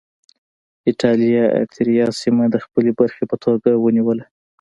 اېټالیا اریتیریا سیمه د خپلې برخې په توګه ونیوله.